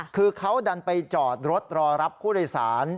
คือเขาดันไปจอดรถรอรับผู้โดยสาร